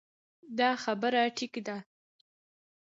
دا خبره ټيک ده -